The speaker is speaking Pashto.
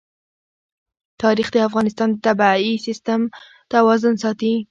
تاریخ د افغانستان د طبعي سیسټم توازن ساتي.